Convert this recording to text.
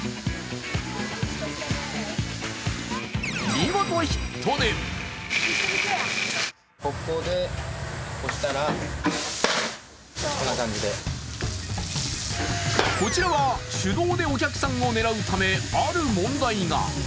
見事、ヒットでこちらは手動でお客さんを狙うため、ある問題が。